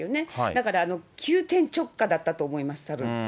だから急転直下だったと思います、たぶん。